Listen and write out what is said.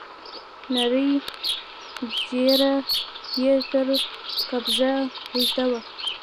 نرۍ ږيره يې تر قبضه اوږده وه.